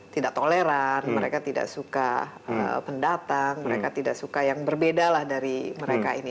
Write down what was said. tidak toleran mereka tidak suka pendatang mereka tidak suka yang berbeda lah dari mereka ini